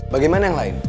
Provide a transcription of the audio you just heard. bagaimana yang lain